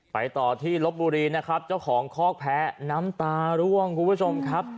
ไปต่อที่ลบบุรีนะครับเจ้าของคอกแพ้น้ำตาร่วงคุณผู้ชมครับ